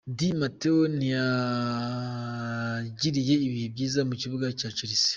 Di Matteo ntiyagiriye ibihe byiza ku kibuga cya Chelsea.